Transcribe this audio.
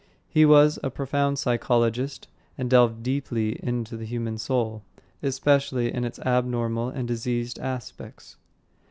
He was a profound psychologist and delved deeply into the human soul, especially in its abnormal and diseased aspects.